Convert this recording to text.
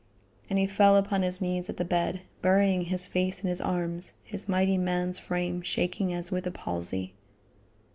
And he fell upon his knees at the bed, burying his face in his arms, his mighty man's frame shaking as with a palsy.